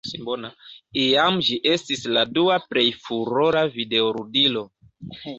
Iam ĝi estis la dua plej furora videoludilo.